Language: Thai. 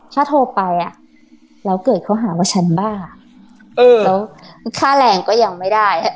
ถ้าโทรไปอ่ะแล้วเกิดเขาหาว่าฉันบ้าแล้วค่าแรงก็ยังไม่ได้